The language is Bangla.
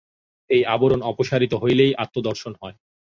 এই আবরণ অপসারিত হইলেই আত্মদর্শন হয়।